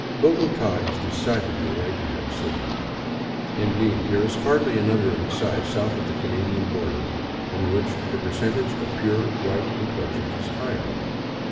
Bogota is decidedly a white man's city. Indeed there is hardly another of its size south of the Canadian border in which the per centage of pure white complexions is higher.